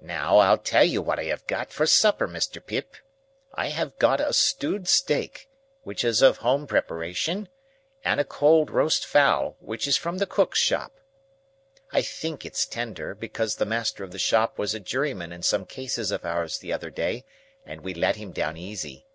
Now, I'll tell you what I have got for supper, Mr. Pip. I have got a stewed steak,—which is of home preparation,—and a cold roast fowl,—which is from the cook's shop. I think it's tender, because the master of the shop was a Juryman in some cases of ours the other day, and we let him down easy.